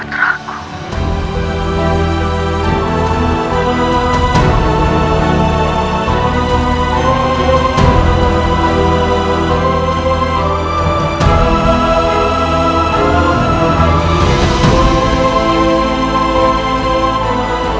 untuk mencium tangannya